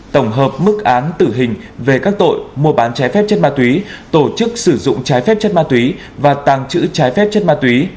tổng hợp mức án tử hình về các tội mua bán trái phép chất ma túy tổ chức sử dụng trái phép chất ma túy và tàng trữ trái phép chất ma túy